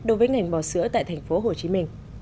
đối với ngành bò sữa tại tp hcm